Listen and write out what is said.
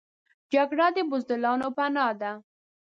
جګړه د بزدلانو پناه ده